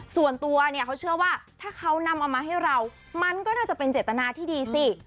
ส่วนตัวเนี่ยเขาเชื่อว่าถ้าเขานำเอามาให้เรามันก็น่าจะเป็นเจตนาที่ดีสิ